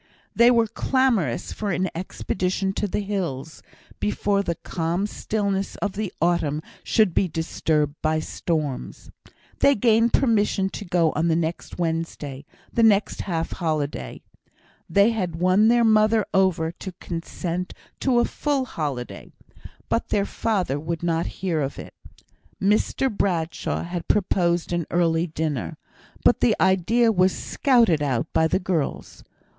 They were clamorous for an expedition to the hills, before the calm stillness of the autumn should be disturbed by storms. They gained permission to go on the next Wednesday the next half holiday. They had won their mother over to consent to a full holiday, but their father would not hear of it. Mrs Bradshaw had proposed an early dinner, but the idea was scouted at by the girls.